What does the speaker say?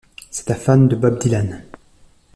C'est un fan de Bob Dylan.